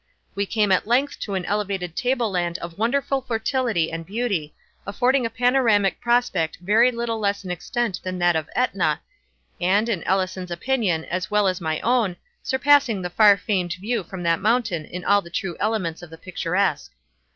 We came at length to an elevated table land of wonderful fertility and beauty, affording a panoramic prospect very little less in extent than that of Aetna, and, in Ellison's opinion as well as my own, surpassing the far famed view from that mountain in all the true elements of the picturesque.